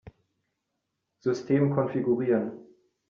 System konfigurieren.